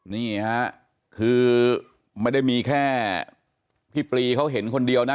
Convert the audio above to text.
นี่ฮะคือไม่ได้มีแค่พี่ปรีเขาเห็นคนเดียวนะ